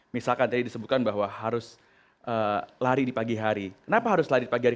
misalkan tadi disebutkan bahwa harus lari di pagi hari kenapa harus lari di pagi hari